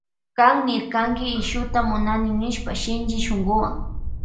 Kan niwarkanki illuta munani nishpa shinchi shunkuwan.